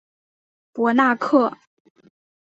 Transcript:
博纳克。